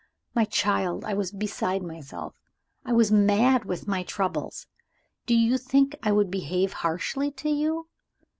My child! I was beside myself I was mad with my troubles. Do you think I would behave harshly to you?